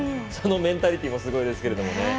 そのメンタリティーもすごいですけれどもね。